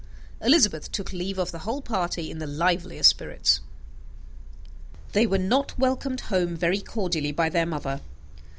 Elizabeth took leave of the whole party in the liveliest spirits. They were not welcomed home very cordially by their mother.